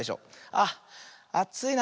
あっあついな。